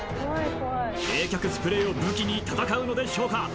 冷却スプレーを武器に戦うのでしょうか？